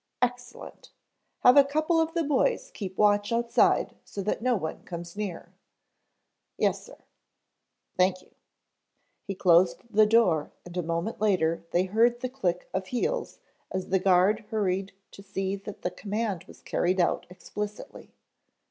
"Excellent. Have a couple of the boys keep watch outside so that no one comes near." "Yes sir." "Thank you." He closed the door and a moment later they heard the click of heels as the guard hurried to see that the command was carried out explicitly.